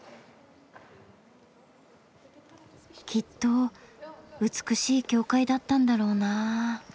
きっと美しい教会だったんだろうなぁ。